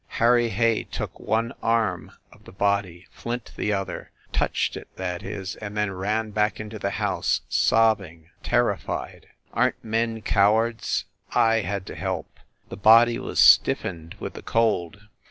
Harry Hay took one arm of the body, Flint the other touched it, that is, and then ran back into the house, sobbing, terrified. ... Aren t men cowards? ... I had to help ... the body was stiffened with the cold